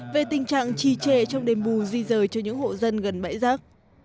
về tình trạng trì trề trong đền bù di rời cho những hộ dân gần bãi rác